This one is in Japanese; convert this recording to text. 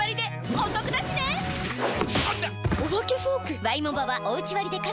お化けフォーク⁉